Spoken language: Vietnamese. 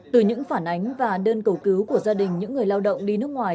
từ những phản ánh và đơn cầu cứu của gia đình những người lao động đi nước ngoài